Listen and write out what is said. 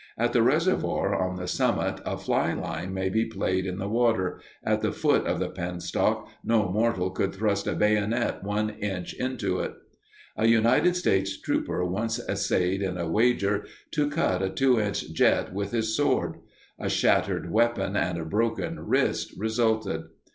At the reservoir on the summit a fly line may be played in the water at the foot of the penstock no mortal could thrust a bayonet one inch into it. A United States trooper once essayed, on a wager, to cut a two inch jet with his sword; a shattered weapon and a broken wrist resulted.